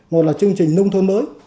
một là chương trình nông thôn mới